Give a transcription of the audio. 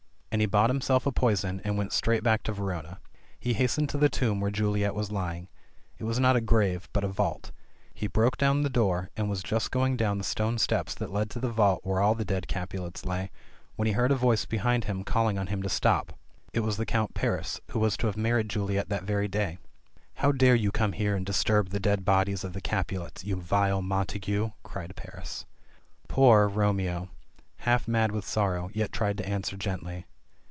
And he bought himself a poison, and went straight back to Ver ona. He hastened to the tomb where Juliet was lying. It was not a grave, but a vault. He broke open the door, and was just going down the stone steps that led to the vault where all the dead Capulets lay, when he heard a voice behind him calling on him to stop. It was the Count Paris, who was to have married Juliet that very day. "How dare you come here and disturb the dead bodies of the Capulets, you vile Montagu !" cried Paris. Poor, Romeo, half mad with sorrow, yet tried to answer gently.